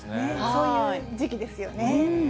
そういう時期ですよね。